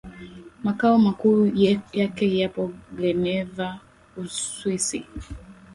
Makao makuu yake yapo Geneva Uswisi